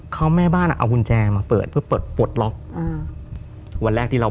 เขาแม่บ้านอ่ะเอากุญแจมาเปิดเพื่อเปิดปลดล็อกอ่าวันแรกที่เรา